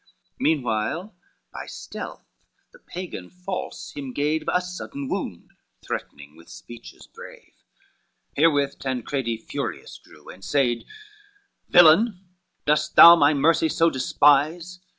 Meanwhile by stealth the Pagan false him gave A sudden wound, threatening with speeches brave: XXVI Herewith Tancredi furious grew, and said, "Villain, dost thou my mercy so despise?"